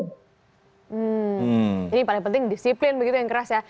hmm ini paling penting disiplin begitu yang keras ya